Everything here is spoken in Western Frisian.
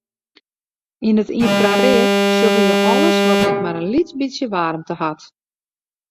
Yn it ynfraread sjogge je alles wat ek mar in lyts bytsje waarmte hat.